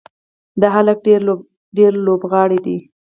دا هلک ډېر لوبغاړی دی.